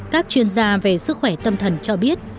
các chuyên gia về sức khỏe tâm thần cho biết